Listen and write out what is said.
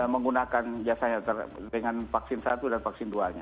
menggunakan jasa yang terdengar vaksin satu dan vaksin dua nya